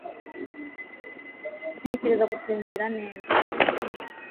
ntekereza gusinzira neza